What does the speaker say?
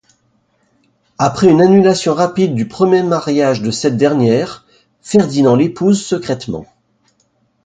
Après une annulation rapide du premier mariage de cette dernière, Ferdinand l’épouse secrètement.